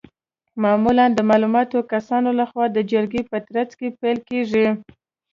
معمولا د معلومو کسانو لخوا د جرګو په ترڅ کې پلي کیږي.